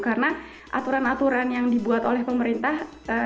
karena aturan aturan yang dibuat oleh pemerintah